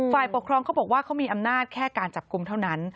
ฝ่ายปกครองเขาบอกว่าเขามีอำนาจแค่การจับกลุ่มเท่านั้น